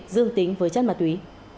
dương tính với chất ma túy